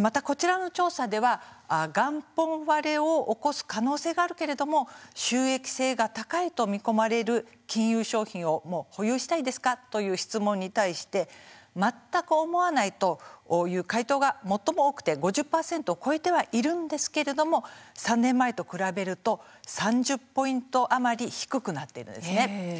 また、こちらの調査では元本割れを起こす可能性があるけれども収益性が高いと見込まれる金融商品を保有したいですかという質問に対して全く思わないという回答が最も多くて５０％を超えてはいるんですけれども３年前と比べると３０ポイント余り低くなっているんですね。